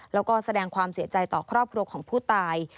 แล้วก็แสดงความเสียใจต่อครอบครัวของผู้ตาย